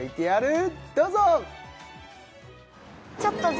ＶＴＲどうぞ！